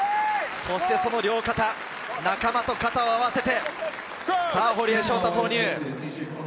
その両肩、仲間と肩を合わせて、さぁ堀江翔太、投入！